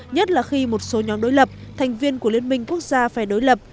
nhất là khi một số nhóm đối lập thành viên của liên minh quốc gia phè đối lập